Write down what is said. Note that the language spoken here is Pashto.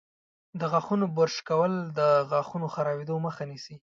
د غاښونو برش کول د غاښونو خرابیدو مخه نیسي.